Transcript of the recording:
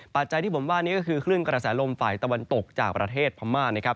จัยที่ผมว่านี่ก็คือคลื่นกระแสลมฝ่ายตะวันตกจากประเทศพม่านะครับ